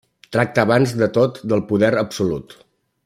Tracta abans de tot del poder absolut.